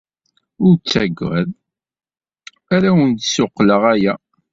Ur ttaggad, ad awen-d-ssuqqleɣ aya.